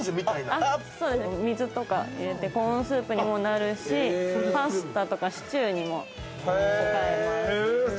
水とかを入れてコーンスープにもなるし、パスタとかシチューにも使えます。